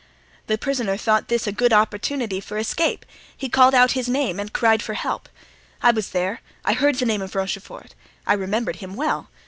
The prisoner thought this a good opportunity for escape; he called out his name and cried for help. I was there. I heard the name of Rochefort. I remembered him well.